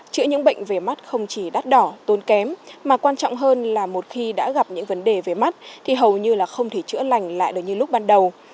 chữa những bệnh về mắt không chỉ đắt đỏ tốn kém mà quan trọng hơn là một khi đã gặp những vấn đề về mắt thì hầu như là không thể chữa lành lại được như lúc ban đầu